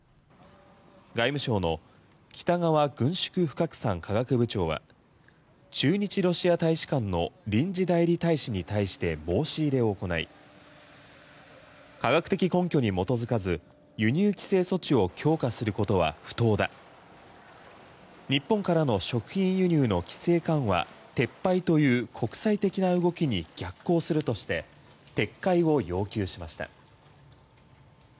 外務省の北川軍縮不拡散・科学部長は駐日ロシア大使館の臨時代理大使に対して申し入れを行い科学的根拠に基づかず輸入規制措置を強化することは不当だ日本からの食品輸入の規制緩和撤廃という国際的な動きに逆行するとして撤回を要求しました。